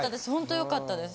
よかったです。